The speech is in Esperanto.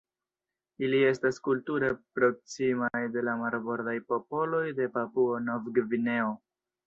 Ili estas kulture proksimaj de la marbordaj popoloj de Papuo-Nov-Gvineo.